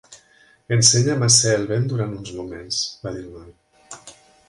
"Ensenya'm a ser el vent durant uns moments", va dir el noi.